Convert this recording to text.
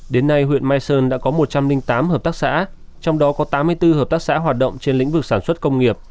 đến nay huyện mai sơn đã có một trăm linh tám hợp tác xã trong đó có tám mươi bốn hợp tác xã hoạt động trên lĩnh vực sản xuất công nghiệp